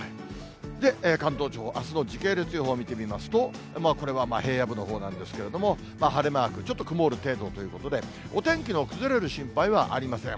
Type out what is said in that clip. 関東地方のあすの時系列予報見てみますと、これは平野部の方なんですけれども、晴れマーク、ちょっと曇る程度ということで、お天気の崩れる心配はありません。